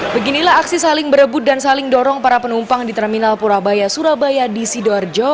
beginilah aksi saling berebut dan saling dorong para penumpang di terminal purabaya surabaya di sidoarjo